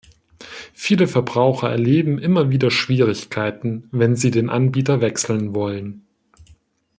Viele Verbraucher erleben immer wieder Schwierigkeiten, wenn sie den Anbieter wechseln wollen.